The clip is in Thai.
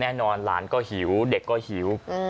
แน่นอนหลานก็หิวเด็กก็หิวอืม